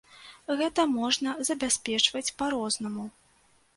Гэта можна забяспечваць па-рознаму.